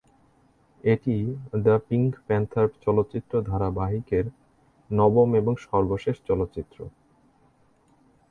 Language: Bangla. এটি "দ্য পিঙ্ক প্যান্থার" চলচ্চিত্র ধারাবাহিকের নবম এবং সর্বশেষ চলচ্চিত্র।